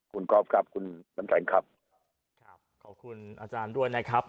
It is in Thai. คุณก๊อฟครับคุณน้ำแข็งครับครับขอบคุณอาจารย์ด้วยนะครับ